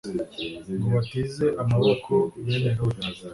ngo batize amaboko bene Loti